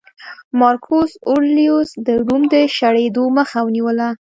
مارکوس اورلیوس د روم د شړېدو مخه ونیوله